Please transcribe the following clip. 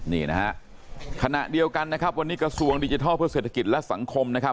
นี่นะฮะขณะเดียวกันนะครับวันนี้กระทรวงดิจิทัลเพื่อเศรษฐกิจและสังคมนะครับ